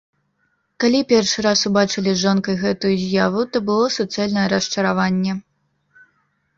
Калі першы раз убачылі з жонкай гэтую з'яву, то было суцэльнае расчараванне.